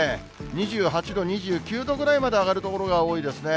２８度、２９度ぐらいまで上がる所が多いですね。